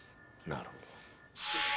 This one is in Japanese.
なるほど。